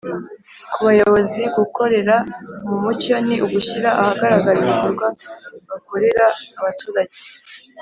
Ku bayobozi, gukorera mu mucyo ni ugushyira ahagaragara ibikorwa bakorera abaturage,